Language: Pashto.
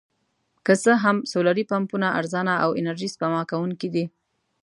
که څه هم سولري پمپونه ارزانه او انرژي سپما کوونکي دي.